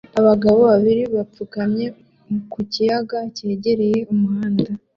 Abagabo babiri bapfukamye ku kayira kegereye umuhanda